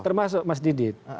termasuk mas didit